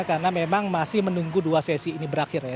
karena memang masih menunggu dua sesi ini berakhir